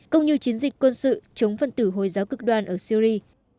cũng như chiến dịch quân sự chống phân tử hồi giáo cực đoan ở syri